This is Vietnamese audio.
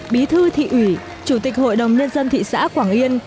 bí thư thị ủy chủ tịch hội đồng nhân dân thị xã quảng yên